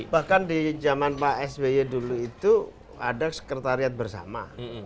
bahkan di zaman pak sby dulu itu ada sekretariat bersama